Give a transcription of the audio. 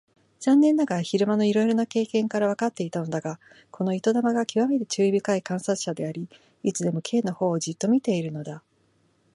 残念ながら昼間のいろいろな経験からわかっていたのだが、この糸玉がきわめて注意深い観察者であり、いつでも Ｋ のほうをじっと見ているのだ。